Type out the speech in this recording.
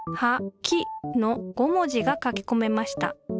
「き」の５文字が書きこめました。